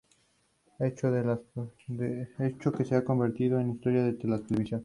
Esta misma creencia fue proclamada por los protestantes de antaño en varios documentos.